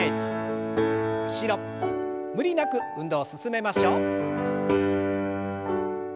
無理なく運動を進めましょう。